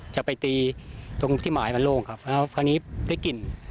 จะไปตีตรงที่หมายมันโล่งครับแล้วคราวนี้ได้กลิ่น